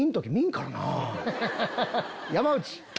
山内。